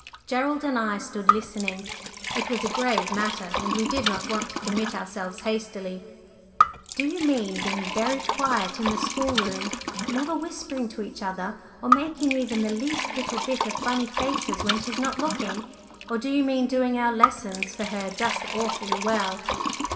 Gerald and I stood listening. It was a grave matter, and we did not want to commit ourselves hastily. "Do you mean being very quiet in the school room, never whispering to each other, or making even the least little bit of funny faces when she's not looking? or do you mean doing our lessons for her just awfully well?"